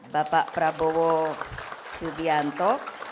bapak prabowo subianto